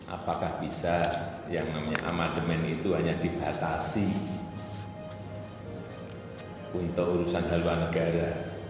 apakah bisa yang namanya amandemen itu hanya dibatasi untuk urusan haluan negara